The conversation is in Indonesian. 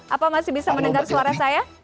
apa masih bisa mendengar suara saya